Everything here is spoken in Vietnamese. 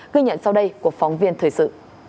ghi nhận sau đây của phóng viên thời sự